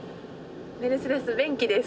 メルセデスベンキです。